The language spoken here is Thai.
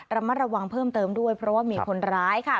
ระมัดระวังเพิ่มเติมด้วยเพราะว่ามีคนร้ายค่ะ